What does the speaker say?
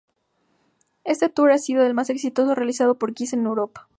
Este tour ha sido el más exitoso realizado por Kiss en Europa.